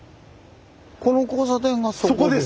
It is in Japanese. この交差点がそこですね。